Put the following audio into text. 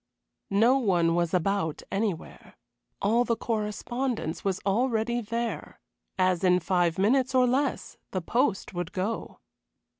No one was about anywhere. All the correspondence was already there, as in five minutes or less the post would go.